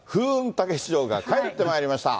たけし城が帰ってまいりました。